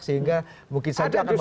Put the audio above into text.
sehingga mungkin saya tidak akan memakan